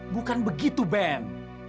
bukan begitu ben